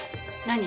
何？